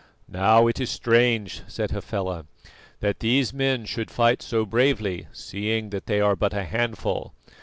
"Now it is strange," said Hafela, "that these men should fight so bravely, seeing that they are but a handful.